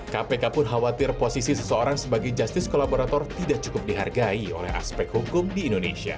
kpk pun khawatir posisi seseorang sebagai justice kolaborator tidak cukup dihargai oleh aspek hukum di indonesia